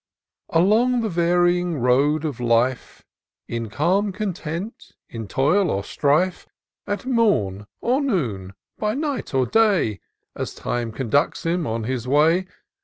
1 m LONG the varying road of life, In calm content, in toil or strife ; At morn or noon, by night or day. As time conducts him on his way.